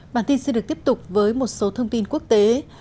bản tin sẽ được tiếp tục với một số thông tin quốc tế